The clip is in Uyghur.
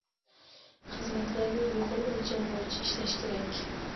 خىزمەتلەرنى يۇقىرى ئۆلچەم بويىچە ئىشلەش كېرەك.